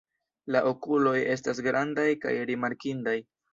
La okuloj estas grandaj kaj rimarkindaj.